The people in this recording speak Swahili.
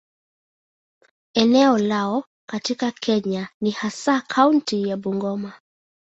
Eneo lao katika Kenya ni hasa kaunti ya Bungoma.